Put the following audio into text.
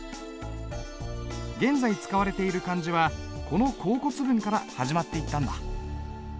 現在使われている漢字はこの甲骨文から始まっていったんだ。